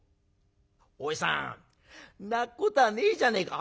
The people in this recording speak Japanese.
「おじさん泣くことはねえじゃねえか。